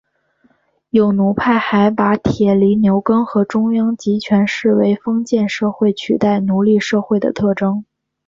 有奴派还把铁犁牛耕和中央集权视为封建社会取代奴隶社会的特征。